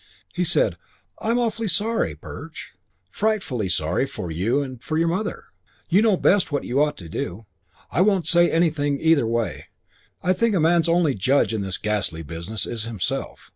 He said, "I'm awfully sorry, Perch. Frightfully sorry for your mother and for you. You know best what you ought to do. I won't say anything either way. I think a man's only judge in this ghastly business is himself.